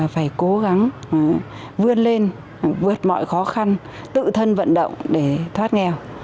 phải cố gắng vươn lên vượt mọi khó khăn tự thân vận động để thoát nghèo